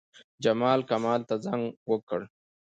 جمال، کمال ته زنګ وکړ.